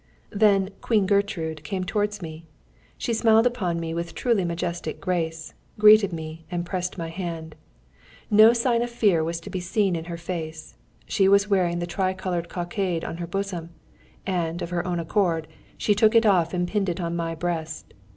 Then "Queen Gertrude" came towards me. She smiled upon me with truly majestic grace, greeted me and pressed my hand. No sign of fear was to be seen in her face. She was wearing the tricoloured cockade on her bosom, and, of her own accord, she took it off and pinned it on my breast.